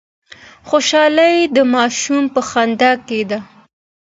خوشحالي د ماشوم په خندا کي ده.